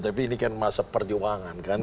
tapi ini kan masa perjuangan kan